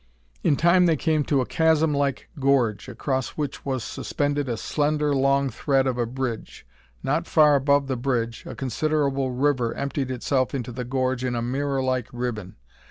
In time, they came to a chasmlike gorge across which was suspended a slender long thread of a bridge. Not far above the bridge, a considerable river emptied itself into the gorge in a mirrorlike ribbon.